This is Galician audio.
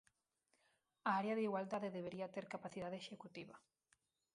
A Área de Igualdade debería ter capacidade executiva.